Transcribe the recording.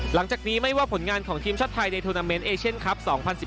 หลังจากนี้ไม่ว่าผลงานของทีมชาติไทยในโทรนาเมนต์เอเชียนคลับ๒๐๑๘